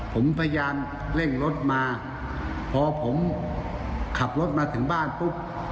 ผมพยายามเร่งรถมาพอผมขับรถมาถึงบ้านปุ๊บ